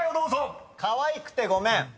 「かわいくてごめん」